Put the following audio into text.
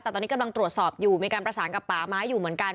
แต่ตอนนี้กำลังตรวจสอบอยู่มีการประสานกับป่าไม้อยู่เหมือนกัน